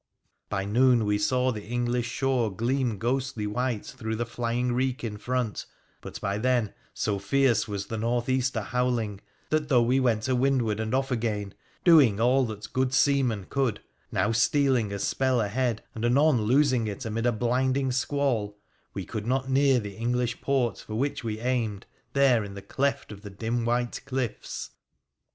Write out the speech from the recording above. By noon we saw the English shore gleam ghostly white through the flying reek in front ; but by then, so fierce was the north easter howling, that, though we went to windward and off again, doing all that good seamen could, now stealing a spell ahead, and anon losing it amid a blinding squall, we could not near the English port for which we aimed, there, in the cleft of the dim white cliffs.